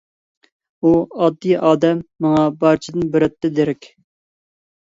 ئۇ ئاددىي ئادەم ماڭا بارچىدىن بېرەتتى دېرەك.